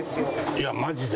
いやマジで。